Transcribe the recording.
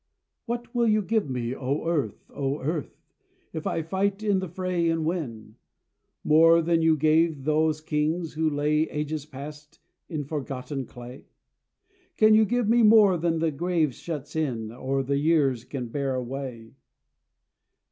What will you give me, O Earth, O Earth! If I fight in the fray and win? More than you gave those kings, who lay Ages past in forgotten clay? Can you give me more than the grave shuts in, Or the years can bear away?